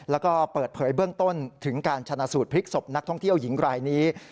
แล้วก็เปิดเผยเบื้องต้นถึงการชนะสูตรพลิกศพนักท่องเที่ยวหญิงรายนี้